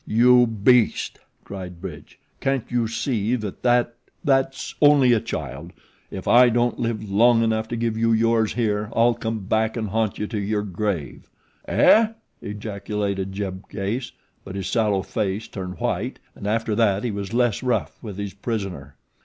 "You beast!" cried Bridge. "Can't you see that that that's only a child? If I don't live long enough to give you yours here, I'll come back and haunt you to your grave." "Eh?" ejaculated Jeb Case; but his sallow face turned white, and after that he was less rough with his prisoner.